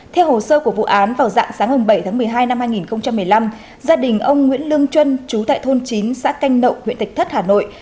theo hồ sơ của vụ án vào dạng sáng bảy tháng một mươi hai năm hai nghìn một mươi năm gia đình ông nguyễn lương trâm chú tại thôn chín xã canh nậu huyện thạch thất hà nội